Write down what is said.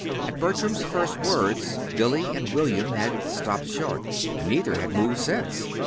At Bertram's first words Billy and William had stopped short. Neither had moved since.